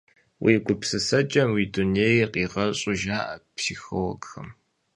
Уи гупсысэкӏэм уи дунейр къигъэщӏу жаӏэ психологхэм.